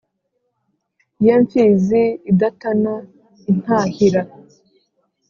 ye mfizi idatana intahira,